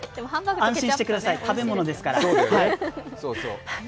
安心してください、食べ物ですから。